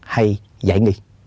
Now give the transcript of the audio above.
hay giải nghi